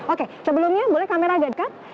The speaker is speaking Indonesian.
oke sebelumnya boleh kamera dekat